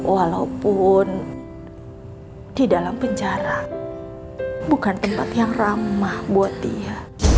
walaupun di dalam penjara bukan tempat yang ramah buat dia